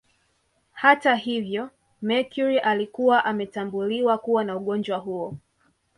Hata hivyo Mercury alikuwa ametambuliwa kuwa na ugonjwa huo